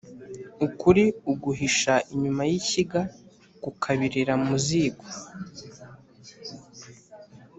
Ukuri uguhisha inyuma y’ishyiga kukabirira mu ziko